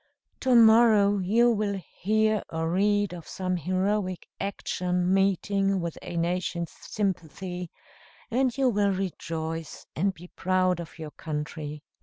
To morrow you will hear or read of some heroic action meeting with a nation's sympathy, and you will rejoice and be proud of your country."